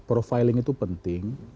profiling itu penting